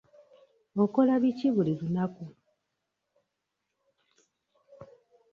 Okola biki buli lunaku?